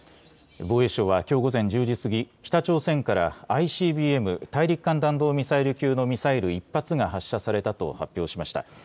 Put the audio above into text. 防衛省はきょう午前１０時過ぎ、北朝鮮からＩＣＢＭ・大陸間弾道ミサイル級のミサイル１発が発射されたと発表しました。